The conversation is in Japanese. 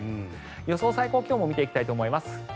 予想最高気温も見ていきたいと思います。